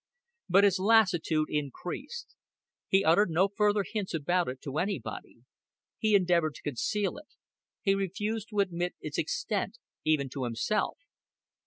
But his lassitude increased. He uttered no further hints about it to anybody; he endeavored to conceal it; he refused to admit its extent even to himself.